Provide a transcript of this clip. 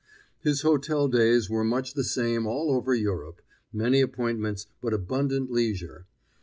His hotel days were much the same all over Europe: many appointments, but abundant leisure.